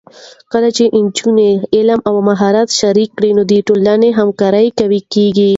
کله چې نجونې علم او مهارت شریک کړي، نو د ټولنې همکاري قوي کېږي.